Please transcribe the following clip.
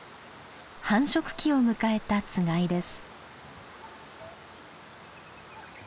繁殖期を迎えたつがいです。